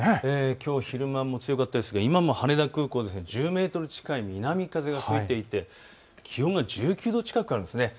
きょう昼間も強かったですが今も羽田空港、１０メートル近い南風が吹いていて気温が１９度近くあるんですね。